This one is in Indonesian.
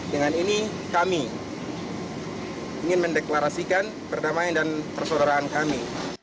dengan ini kami ingin mendeklarasikan perdamaian dan persaudaraan kami